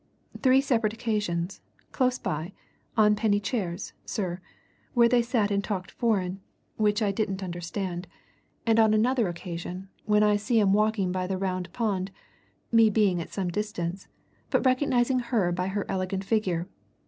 "Three separate occasions, close by on penny chairs, sir, where they sat and talked foreign, which I didn't understand and on another occasion, when I see 'em walking by the Round Pond, me being at some distance, but recognizing her by her elegant figure.